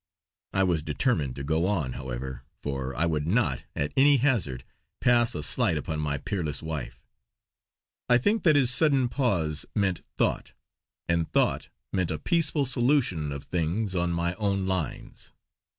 I was determined to go on, however; for I would not, at any hazard, pass a slight upon my peerless wife. I think that his sudden pause meant thought; and thought meant a peaceful solution of things on my own lines.